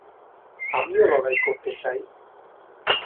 আমিও লড়াই করতে চাই।